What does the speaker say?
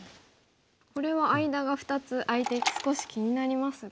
これは間が２つ空いて少し気になりますが。